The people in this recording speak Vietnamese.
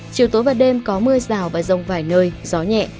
chiều tối và đêm có mưa rào và rông vài nơi gió nhẹ